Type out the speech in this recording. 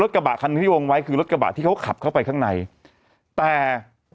กระบะคันที่วงไว้คือรถกระบะที่เขาขับเข้าไปข้างในแต่